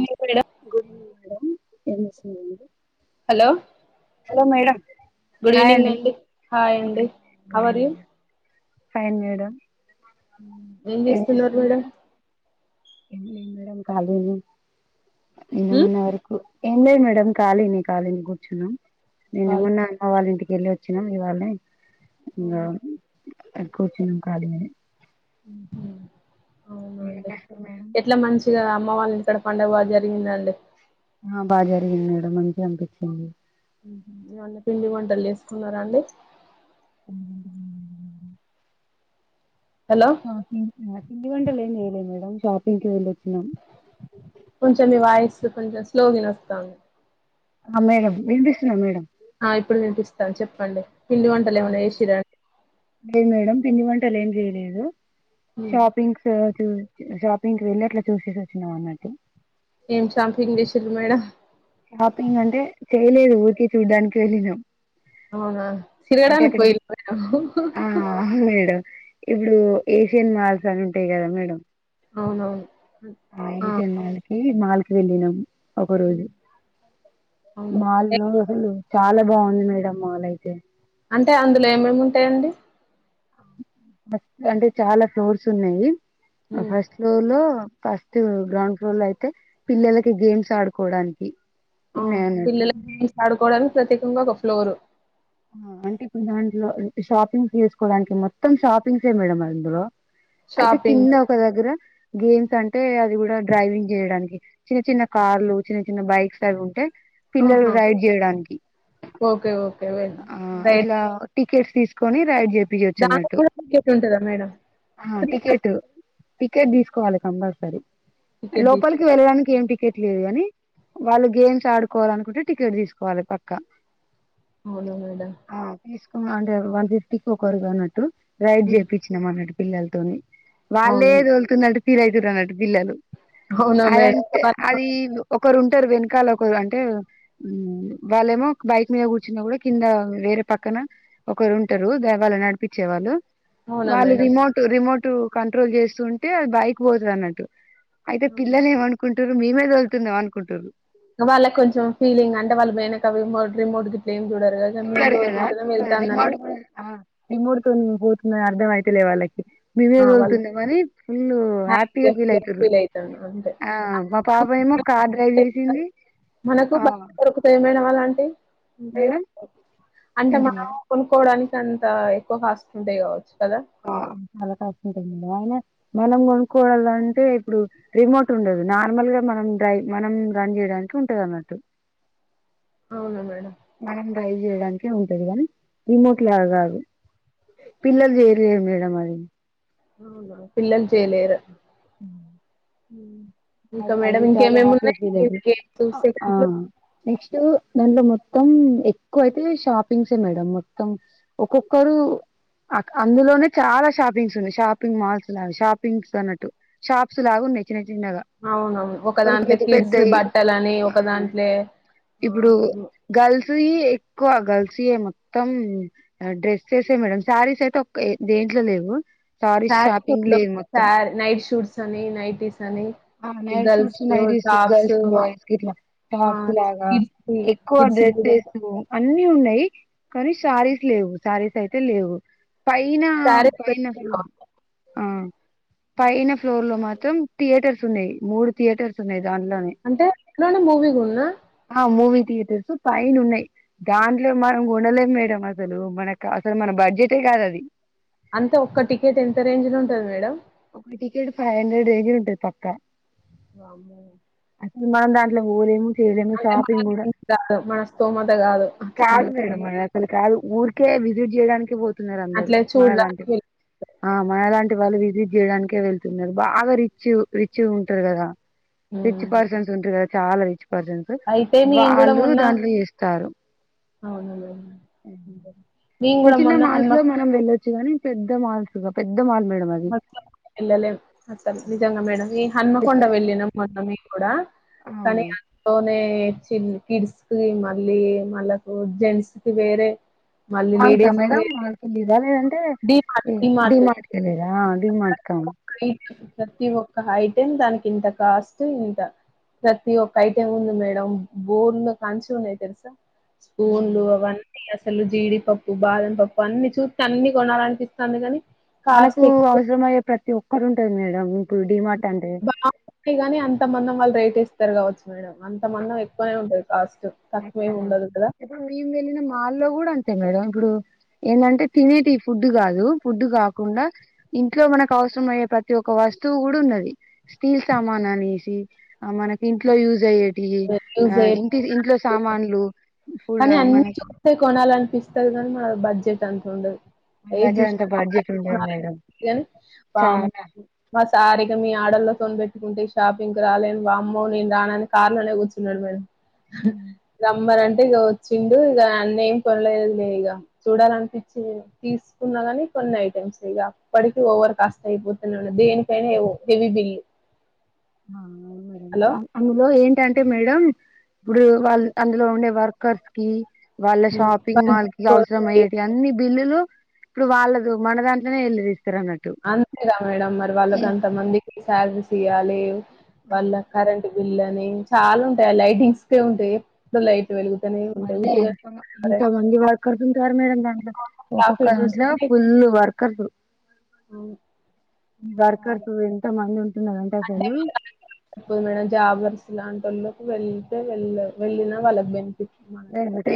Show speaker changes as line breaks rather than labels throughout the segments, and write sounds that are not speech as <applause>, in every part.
Madam
good evening madam ఎంచేస్తున్నారండీ
hello
hello madam
good
hi
evening
అండి
hi అండి how are you
fine madam
ఏం
ఎమ్
చేస్తున్నారు మేడం
లేదు మేడమ్ కాలీగనే నిన్న
ఉమ్
మొన్న వర్క్ ఏం లేదు మేడమ్ ఖాళీనే ఖాళీనే కూర్చున్నాం నిన్న
కాల్
మోన్న అమ్మ వాళ్ళింటికెల్లోచ్చినం ఇవాళే
ఉహు
ఇంగా అకోచిన్ ఖాళీగానే మీరేం
అవునండి
చేస్తుర్రు మేడం
ఎట్లా మంచిగా అమ్మ వాళ్ళ అక్కడ పండుగ బాగా జరిగిందాండి
ఆ బాజరిగింది మేడమ్ మంచిగనిపించింది
ఉహు ఏవన్న పిండి వంటలు చేసుకున్నారా అండి హలో
షాపింగ్ పిండివంటలేం చేయలేము మేడమ్ షాపింగ్ కి వెల్
కొంచెం మీ వాయిస్ కొంచెం స్లో గినోస్తాంది
హ మేడమ్ వినిపిసస్తుందా మేడం
ఆ ఇప్పుడు వినిపిస్తంది చెప్పండి పిండి
ఆ
వంటలేమన్నా చేసిరా
లేదు మేడమ్ పిండి వంటలు ఏమిచేయలేదు
ఉమ్
షాపింగ్స షాపింగ్ కి వెళ్ళి అట్లా చూసేసి వచ్చినాం అన్నట్టు
ఎమ్ షాపింగ్ చేసిర్రు మేడమ్
షాపింగంటే చేయలేదు ఊరికే చూడ్డానికి వెళ్ళినాం
అవునా
అంటే
తిరగడానికి
అక్కడ
పోయిర్ర మేడమ్
ఆ అవును మేడం ఇప్పుడు ఏషియన్ మాల్స్ అని ఉంటాయి కదా మేడం
అవునవును
హా
ఆ
ఏష్న్మాలకి మాల్ కి వెళ్ళినాం ఒక రోజు
హ్మ్. అవును
మాల్లో అసలు చాలా బాగుంది మేడమ్ మాలైతే
అంటే అందులో ఏమేముంటాయండి
అంటే చాలా ఫ్లోర్స్ ఉన్నయి ఆ
హ్మ్.
ఫస్ట్ ఫ్లోర్ లో ఫస్ గ్రౌండ్ ఫ్లోర్లో అయితే పిల్లలకి గేమ్స్ ఆడుకోవడానికి
ఆ
ఉన్నాయి అన్నట్టు
పిల్లలకు గేమ్స్ ఆడుకోవడానికి ప్రత్యేకంగా ఒక ఫ్లోరు
అంటే ఇప్పుడు దాంట్లో షాపింగ్స్ చేసుకోవడానికి మొత్తం షాపింగ్స్ ఏ మేడం అందులో అయితే కింద
షాపింగ్
ఒక దగ్గర గేమ్స్ అంటే అది కూడా డ్రైవింగ్ చేయడానికి చిన్న చిన్న కార్లు చిన్న చిన్న బైక్స్ అవి ఉంటయ్ పిల్లలు
ఆహా
రైడ్ చేయడానికి
ఓకే ఓకే వెల్
ఆ
రైట్
ఇట్లా టికెట్స్ తీసుకొని రైడ్ చె పియచ్చు
దానికి
అన్నట్టు
కూడా టికెట్ ఉంటదా మేడం
హా
ఫ్రీనా
టికెట్ టికెట్ తీసుకోవాలి కంపల్సరీ
టికెట్ తీస్తే
లోపలికి వెళ్ళడానికి ఏం టికెట్ లేదు కాని వాళ్ళు గేమ్స్ ఆడుకోవాల అనుకుంటే టికెట్ తీసుకోవాలి పక్కా
అవును మేడం
ఆ తీసుకున్నా అంటే వన్ ఫిఫ్టీకిి ఒకరుగా అన్నట్టు రైడ్
హ్మ్.
చెపించినం అన్నట్టు పిల్లలతోని వల్లే
అవును
దోళ్తున్నట్టు ఫీల్ అయితుర్రు అన్నట్టు పిల్లలు
అవునా మేడం
అదంటే
వాళ్ళతో
అది ఒకరుం టరు వెనకాల ఒకరు అంటే మ్ వాళ్ళేమో బైక్ మీద కూర్చున్న కూడా కింద వేరే పక్కన ఒకరు ఉంటారు ద వాళ్ళ నడిపించే వాళ్ళు
అవునా
వాళ్ళు
మేడం
రిమోట్ రిమోట్ ట్ కంట్రోల్ చేస్తుంటే బైక్ పోతది అన్నట్టు అయితే
అవునా.
పిల్లలు ఏనుకుం టరు మీమే తోల్తున్నాం అనుకుంటరు
ఇంగ వాళ్ళ కొంచెం ఫీలింగ్ అంటే వాళ్ళు పోయినంక రిమోట్ రిమోట్ గిట్ల ఎం
రిమోట్ తోని పో తుందని అర్ధమయితలే వాళ్ళకి మేమే
వాళ్ళు
తోలుతున్నామని ఫుల్ హ్యాపీగా ఫీల్ అయితుర్రు ఆ మా పాప మో కార్ డ్రైవ్ చేసింది
మనకు
ఆ
బాగా దొరుకుతాయి మేడం అలాన్ ఉంటాయో
మేడం
అంటే
ఏంటి
మనం
మేడం
కొనుక్కోవడాని అంత ఎక్కువ కాస్ట్ ఉంటయి కావచ్చు కదా
ఆ చాలా కాస్ట్ ఉంటది మేడం అయిన మనం కొనుక్కోవాల అంటే ఇప్పుడు రిమోట్ ఉండదు నార్మల్ గా మనం డ్రై్ మనం రన్ చేయడానికి ఉంటది అన్నట్టు
అవును మేడం
మనం డ్రైవ్ చేయడానికి ఉంటది కానీ రిమోట్ లాగా కాదు పిల్లలు చేయలేరు మేడం అది
పిల్లలు చేయలేరు
ఉ
ఊ
అది అది చాలా హ్యాపీ ఫీల్ అయిండ్రు
గేమ్స్
ఆ ఆ
సెకంట్లు
నెస్టు దాంట్లో మొత్తం ఎక్కువ అయితే షాపింగ్సే మేడం మొత్తం ఒక్కొక్కరు అక్-అందులోనే చాలా షాపింగ్స్ ఉన్నాయి షాపింగ్ మాల్స్ లాగా షాపింగ్స్ అన్నట్టు షాప్స్ లాగా ఉన్నయ్ చిన్న చిన్నగా
అవున ఒక
కొన్ని
దాంట్లో
పెద్ద
కిడ్స్
పెద్దయి
బట్టలని
ఆ
ఒక దాంట్లే
ఇప్పుడు గర్ల్స్ ఈ ఎక్కువ గర్ల్స్య మొత్తం డ్రెస్సెసే మేడం శారీస్ అయితే ఒ దేంట్లో లేవు సారీస్
శారీస్
షాపింగ్ లేదు మొత్తం
ఉండవు నైట్ షూట్స్ అని నైటీస్ అని
నైర్
గర్ల్స్
షూట్స్ నైరీస్
టాప్స్
గర్ల్స్ బాయ్స్ కి ఇట్లా
ఆ
టాప్స్ లాగా
కిడ్స్
ఎక్కువ
కిడ్స్
డ్రెస్
కూడా
సెసు అన్ని ఉన్నాయి కానీ శారీస్ లేవు శారీస్ అయితే లేవు పైనా
శారీస్ పెట్
పైనా ఫ్లో ఆ పైన ఫ్లోర్ లో మాత్రం థియేటర్స్ ఉన్నాయి మూడు థియేటర్స్ ఉన్నాయి దాంట్లోనే
అంటే ఇట్లోనే మూవీ ఉన్నా
ఆ మూవీ తీయేటర్స్ పైన్ ఉన్నాయి దాంట్లో మనం కొనలేం మేడం అసలు మనకు అసలు మన బడ్జెట్ ఏ కాదు కాద్ అది
అంటే ఒక్క టికెట్ ఎంత రేంజ్ లో ఉంటది మేడం
ఒక టికెట్ ఫై హండ్రెడ్ రేంజ్ ల ఉంటది పక్కా
వామ్మో
అసలు మనం దాంట్లో పోలేము చేయలేము
అంటే మన
షాపింగ్ గూడా
రేంజ్ కాదు మన స్తోమత కాదు అట్లాంటి
కాదు మేడం మనది అసలు కాదు ఊరికే విజిట్ జేయడానికి పోతున్నారు అందరూ
అట్లే
మనలాంటి
చూడడానికి వెళ్
ఆహ్ మనలాంటి వాళ్ళు విజిట్ జేయడానికే వెళ్తున్నరు బాగా రిచ్ రిచ్చుగుంటరు గదా రిచ్
హ్మ్.
పర్సన్స్ ఉంటరు గదా చాలా రిచ్ పర్సన్స్
అయితే నేను కూడా
వాళ్ళు
మొన్న
దాంట్లో చెస్తారు
అవును మేడం నేను
చిన్న
కూడా
చిన్న
మొన్న
మాల్స్
హన్మ
లో మనం వెళ్ళో చ్చు గని పెద్ద మాల్స్ ఇగ పెద్ద మాల్ మేడం అది
ఎళ్ళలే అత్తం నిజంగా మేడం ఈ హన్మకొండ వెళ్ళినం మొన్న మెము గూడా కానీ
అవును
అందులోనే చి కిడ్స్ కి మళ్ళీ మళ్ళ కు జెంట్స్ కి వేరే మళ్ళీ
మాల్ కా
లేడీస్ కి
మేడం
వేరే
మాల్కెళ్ళిరా లేదంటే
D mart D
D
mart
mart కెల్లిరా డి మార్ట్ కా
ఒక హైటెం దానికి ఇంత కాస్ట్ ఇంత ప్రతి ఒక్క ఐటెం ఉంది మేడం బోల్ల కాంచి ఉన్నాయి తెలుసా స్పూన్లు అవన్ని అసల్ అసలు జీడిపప్పు బాదం పప్పు అన్ని చూత్తే అన్ని కొనాలనిపిస్తంది గని
మనకు అవసరం అయ్యే ప్రతి ఒక్కటి ఉంటది మేడం ఇప్పుడు డిమార్ట్ అంటే
బాగున్నయి గని అంత మందం వాళ్ రేట్ ఇస్తరు గావచ్చు మేడం అంత మందం ఎక్కువనే ఉంటంది
అహ ఇప్పుడు ఈ వెల్లుల్లి మాల్ల్లో గూడా అన్ తె మేడం ఇప్పుడు ఏమంటే తినేటి ఫుడ్ గాదు ఫుడ్ గాకుండా ఇంట్లో మనకు అవసరం అవసరమయ్యే ప్రతి ఒక్క వస్తువు గూడా ఉన్నది స్టీల్ సామాన్ అనేశి అహ్ మనకి ఇంట్లో యూజ్ అయ్యేటియి ఆ
యూజ్
ఇంటిది ఇంట్లో
అయ్యే
లు
కానీ అన్ని చూస్తే కొనాలనిపిస్తది గనీ మన బడ్జెట్ అంత ఉండదు
మన
ఏది
దగ్గర అంత
జూసిన
బడ్జెట్
<inaudible>
ఉండదు మేడం
కానీ వామ్మో
చాలా
మస్తు సారిగా మీ ఆడల్లో తోని పెట్టుకుంటే షాపింగ్కి రాలేను వామ్మో నేను రానని కార్లోనే కూర్చున్నడు మేడం రమ్మనని టె ఇగ వచ్చిండు ఇగ అన్ని ఏం కొనలేదులే ఇగ చూడాలనిపిచింది తీసుకున్న గని కొన్ని ఐటమ్స్ ఇగ అప్పటికి ఓవర్ కాస్ట్ అయిపోతున్న దేనికైనా హెవీ బిల్లు
అవునవును మేడం
హలో
అ అందులో ఏంటంటే మేడం ఇపుడు వాళ్ళు అందులో ఉండే వర్కర్స్ కి వాళ్ళ షాపింగ్ మాల్ కి అవసరం అయ్యేటియి అన్ని బిల్లులు ఇపుడు వాళ్ళదు మన దాంట్లానే ఎళ్ళదిస్
అంతే గా మేడం మరి వాళ్ళకు అంత మందికి సాలరీస్ వాళ్ళ కరెంట్ బిల్ అని చాలా ఉంటయి అ లైటింగ్స్ కే ఉంటయి ఎప్పుడు లై వెలుగుతనే ఉంటయి ఉత్తిగనే ఇస్తారా ఎవరైనా
తరు మేడం దాంట్లో ఒక్కొక్క దాంట్లో
చూసుకొని
ఫుల్ వర్కర్సు
అవును. హ్మ్. చాలా.
వర్కర్సు ఎంత మంది ఉం
మేడం జాబర్స్లా వెళ్లకు వెళ్తే వెళ్ళ వెళ్ళినా వాళ్ళకి బెని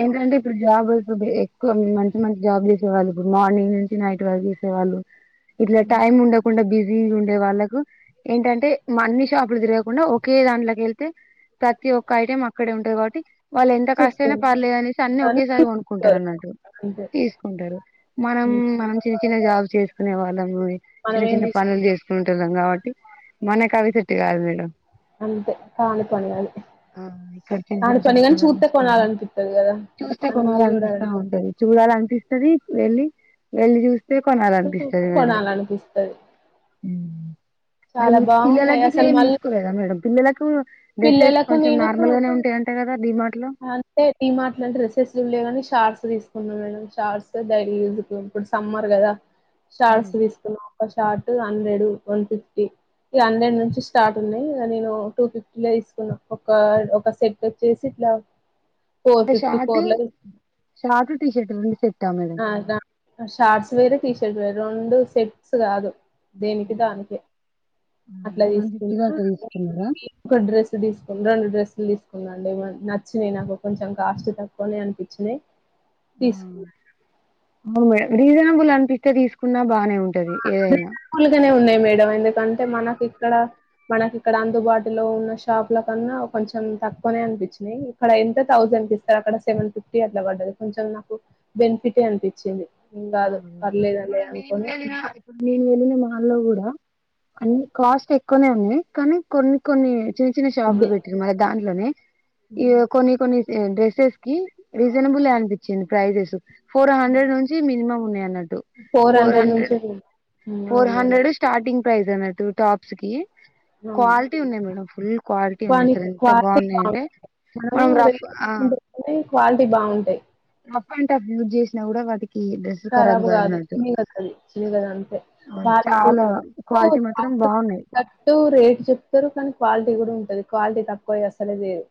ఏంటంటే ఇప్పుడు జాబొస్తుంది ఎక్కువ మంచి మంచి జాబులు చేయాలి ఇపుడు మార్నింగ్ నుంచి నైట్ వరకు చేసే వాళ్ళు ఇట్లా
హ్మ్.
టైం ఉండకుండా బిజి ఉండే వాళ్ళకు ఏంటంటే మ అన్ని షాపులు తిరగకుండా ఒకే దాంట్లోకి ఎళ్తే ప్రతి ఒక్క ఐటం అక్కడే ఉంటది కాబట్టి వాళ్ళు ఎంత కష్ మైన
చూసుకోవాలి.
పర్లేదు అనేసి అన్ని
కానీ
ఒకేసారి కొనుక్కుంటరు
తీసుకోరు
అన్నట్టు
అంతే.
తీసుకుంటరు మనం
హ్మ్.
మనం చిన్న చిన్న జాబ్ చేసుకునే వాళ్ళము చిన్న
మనమేం
చిన్న పనులు
తీసుకుంటాం
చేసుకుంటోళ్ళం కాబట్టి మన కవి సెట్ గాదు మేడం
అంతే కాని పని ఆది
ఆ, ఇక్కడ చిన్న
కాని
చిన్న
పని కాని
షాపులలో
చూతే
తీసుకోవడం
కొనాలానిపి
చూస్తే కొనాలీ అనిపిస్తా ఉంటది చూడాలానిపిస్తది వెళ్ళి వెళ్ళి చూస్త తే కొనాలనిపిస్తాది మేడం
కొనాలనిపిస్తది
మరి
చాలా బాగున్నాయి
పిల్లలకి గిట్లా
అసలు
ఏమి
మళ్ళీ
తీసుకోలేదా మేడం పిల్లలకు డ్రేస్సెస్
పిల్లలకు
కొంచెం
నేను
నార్మల్ గానే ఉంటాయి ఆన్ ఉంటాది కదా డీమార్ట్ లో
టె డిమార్ట్ డ్రస్సెస్ లేవని షార్ట్స్ తీకున్నా మేడం షార్ట్స్ తో బయట తిరుగుతం ఇపుడ్ సమ్మర్ కదా కదా షార్ట్స్ తీసుకున్నా ఒక షార్ట్ హండ్రెడ్ వన్ ఫిఫ్టీ ఇ హండ్రెడ్ నుంచి స్టార్ట్ ఉన్నాయి ఇగా నేను టూ ఫిఫ్టీ లో తీసుకున్నా ఒక ఒక సెట్ వచ్చేసి ఇట్లా ఫోర్
అంటే
ఫిఫ్టీ
షార్ట్
ఫోర్ ల
షార్ట్ టీ షర్ట్ రెండు సెట్టా మేడం
తీసుకున అ షార్ట్స్ వేరూ టీషర్ట్ వేరూ రొండు సెట్స్ కాదు దేనికి దానికె అట్లా
అంటే వన్
తీసుకున్న
ఫిఫ్టీలో అట్లా
బేబీ
తీసుకున్నారా
పింక్ డ్రెస్ డ్రెస్సులు తీసుకున్న రెండు డ్రెస్సులు తీసుకున్న అండి నచ్చినాయి నాకు కొంచెం కాస్ట్ తక్కువనే అనిపించినాయి తీసుకున్న మేడం
అవు మేడం రీజనబుల్ అనిపిస్తే తీసుకున్నా బానే ఉంటది ఏదైనా
తక్కువలుగానే ఉన్నాయి మేడం ఎందుకంటే మనకు ఇక్కడ మనక్ ఇక్కడ అందుబాటులో ఉన్న షాపుల కన్నా కొంచెం తక్కువనే అనిపించినాయి ఇక్కడ ఎంత థౌసండ్ కిస్తే అక్కడ సెవెన్ ఫిఫ్టీ అట్లా పడది కొంచెం నాకు బెనిఫిటే అనిపిచింది ఏం కాదు
అవును ఇప్పుడు
పర్లేదులే
నేను
అనుకోని
వెళ్ళిన ఇప్పుడు నేను వెళ్ళిన మాల్లో కూడా కోన్ని కాస్ట్ ఎక్కువనే ఉన్నాయి కానీ కొన్ని కొన్ని చిన్న చిన్న షాపులు
దే
పెట్టిరు మళ్ళ దాంట్లోనే
హ్మ్.
ఇగా కొన్ని కొన్ని డ్రెస్సెస్ కి రీజనబులే అనిపిచింది ప్రైజెస్ ఫోర్
హ్మ్.
హండ్రెడ్ నుంచి మీ మినిమం ఉనాయి అన్నట్టు
ఫోర్ హండ్రెడ్ నుంచేలి
ఫోర్ హండ్రెడ్ స్టార్టింగ్ ప్రైజ అన్నాటు టాప్స్ కి
అవును.
క్వాలిటీ ఉన్నాయి మేడం ఫుల్ క్వాలిటీ ఉన్నాయి
కానీ
అసలు ఎంత
క్వాలిటీ
బాగున్నాయ అంటే
బావుంటాయి. మనం రేట్ ఎక్కువ ఉన్నప్పుడే క్వాలిటీ బాగుంటాయి
అంట యూజ్ చేసినా కూడా వాటికి డ్రెస్ ఖరాబ్
కరాబు కాదు
కాదన్నట్టు
చినగదు అది చినగదు అంతే వాళ్ళట్టు
చాలా క్వాలిటీ మాత్రం బాగున్నాయి
<unintelligible> టూ రేట్స్ చెప్తారు కానీ క్వాలిటీ కూడా ఉంటది క్వాలిటీ తక్కువ అసాలె లేదు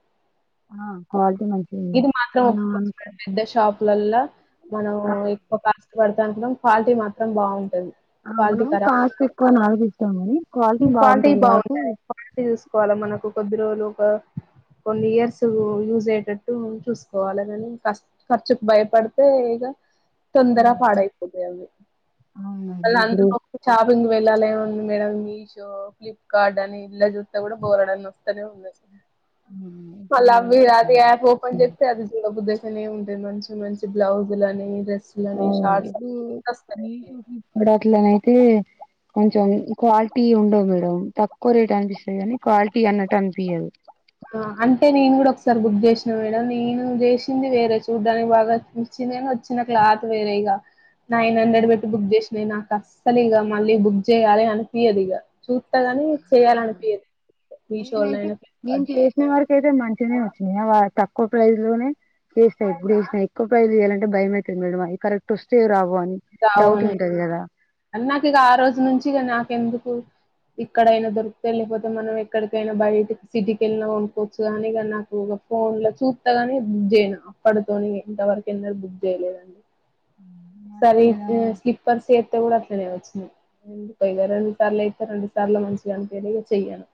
ఆ క్వాలిటీ మంచిగా ఉంది
ఇది మాత్రం
మనం
ఒప్పుకోవచ్చు
అనుకు
మేడం పెద్ద షాపులాల్ల మనం
ఆ
ఎక్కువ కాస్ట్ పడుతద్ అనుకుంటాం క్వాలిటీ మాత్రం బాగుం
ఆ మనం కాస్ట్ ఎక్కువని ఆలోచిస్తామ కానీ
క్వాలిటీ బాగుంటది క్వాలిటీ చూసుకోవాలా మనకు కొద్ది రోజులు ఒక కొన్ని ఇయర్స్ యూజ్ అయేటట్టు చూసుకోవాలే కాని కాస్ ఖర్చుకు భయపడుతే తొందర పాడైపోతాయి అవి మళ్ళ
అవునండి ఇప్పుడు
అందులో చా <unintelligible> వెళ్ళాలేమ మేడం మీ మీ షో ఫ్లిప్కార్ట్ అని ఇలా చుతే కూడా బోలెడన్ని ఓస్తానే ఉనాయి మళ
ఇప్పుడు
అవి అదే అప్ ఓపెన్ చేస్తే అది చూడబుద్ధిఅయితేనే ఉంటాది మంచి మంచి బ్లౌజులు అని డ్రెస్
ఆ ఇవి మీషో ఫ్లిప్కార్ట్ అట్లనైతే కొంచెం క్వాలిటీ ఉండదు మేడం తక్కువ రేట్ అనిపిస్తది కాని క్వాలిటీ అన్నట్టు అన్పియదు
ఆ అంటే నేను కూడా ఒకసారి బుక్ చేసినా మేడం నేను చేసింది వేరే చూడ్డానికి బాగా నేను వచ్చిన క్లాత్ వేరే ఇగ నైన్ హండ్రెడ్ పెట్టి బుక్ చేసినా ఇగ నాకు అస్సలు ఇగా మళ్ళీ బుక్ చేయ్యాలే అనిపియద్ ఇగ చు చూస్తా కానీ చేయాలనిపియేదు మీ షో
నేనైతే
లైన మీషోలైన
నేను చేసిన వరక అయితే మంచిగానే వచ్చినాయి ఆ వా తక్కువ ప్రైజ్ లోనే చేస్తా ఎప్పుడు చేసిన ఎక్కువ ప్రైజ్ లు చేయాలంటే భయమైతది మేడం అవి కరెక్ట్ ఓస్తాయో రావో వో అని డౌట్ ఉంటది కదా
అ నాకు ఇక ఆ రోజు నుంచి ఇగా నాకెందుకు ఇక్కడైనా దొరుకుతాయి లేకపోతే మనం ఎక్కడికైనా బయట సిటీకి వెళ్ళిన కొనుక్కోవచ్చు కాని నాకు ఫోన్ లో చూత్తగాని బుక్ చేయను అప్పటితోని ఎంత వరకు ఎందరు బుక్ చేయలేదు
నాకు
సరి
చాలా
స్లిప్పర్స్ చెత్ అట్లనే వచ్చినయ్ ఇగా రెండు సార్లు అయితే రెండు సార్లు మంచిగా అనిపియలే ఇగ చెయను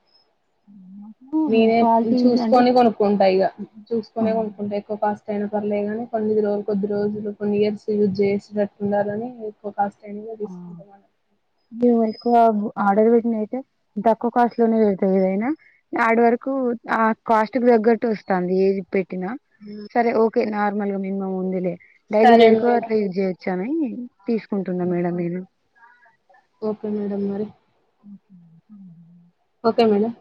నాకు
నేనే
క్వాలిటీ
చూసుకొని కొనుక్కుంటా ఇగా చూసుకొని
అంటే
కొనుక్కుంటా ఎక్కువ కాస్ట్ అయిన పర్లే గాని కొన్ని రోజులు కొద్ది రోజులు కొన్ని ఇయర్స్ యూజ్ చేసేటట్టు ఉండాలని ఎక్కువ కాస్ట్ కోన్
ఆ!
తీసుకుంటా
మేము ఎక్కువ ఆర్డర్ పెట్టిన అయితే తక్కువ కాస్ట్ లోనే పెడ్తము ఏదైనా ఆడి వరకు కు ఆ కాస్ట్ కు తగ్గట్టు వస్తాంది ఏది పెట్ పెట్టిన సరే ఓకే నార్మల్ గా ఉందిలే డైలీ
సరే
వేరుకో
మేడం
అట్లా యూజ్ చేయొచ్చు టని తీసుకుంటున్నా మేడం నేను
ఓకే మేడం మరి ఓకే మేడం